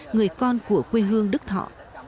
người con của quê hương đức thọ